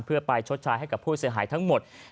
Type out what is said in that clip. เพื่อไปชดใช้ให้กับผู้เสียหายทั้งหมด